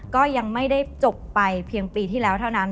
ก็ยังไม่ได้จบไปเพียงปีที่แล้วเท่านั้น